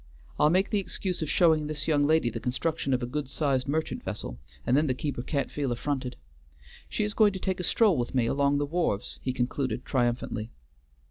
"I'll make the excuse of showing this young lady the construction of a good sized merchant vessel, and then the keeper can't feel affronted. She is going to take a stroll with me along the wharves," he concluded triumphantly.